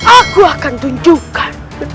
aku akan tunjukkan